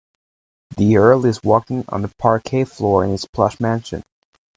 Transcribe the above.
The earl is walking on the parquet floor in his plush mansion.